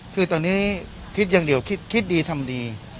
คือตอนนี้คิดอย่างเดียวคิดดีทำดี